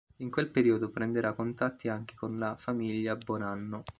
In quel periodo prenderà contatti anche con la famiglia Bonanno.